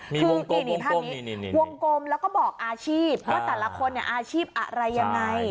มีวงกลมวงกลมแล้วก็บอกอาชีพว่าแต่ละคนเนี่ยอาชีพอะไรยังไง